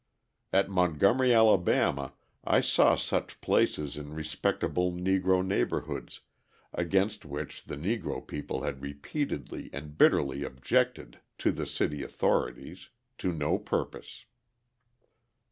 At Montgomery, Ala., I saw such places in respectable Negro neighbourhoods, against which the Negro people had repeatedly and bitterly objected to the city authorities, to no purpose.